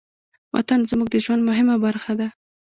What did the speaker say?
وطن زموږ د ژوند مهمه برخه ده.